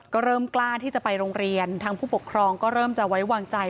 ก็เริ่มกล้าที่จะไปโรงเรียนทางผู้ปกครองก็เริ่มจะไว้วางใจ